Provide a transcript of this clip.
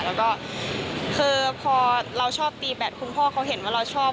แล้วก็คือพอเราชอบตีแบตคุณพ่อเขาเห็นว่าเราชอบ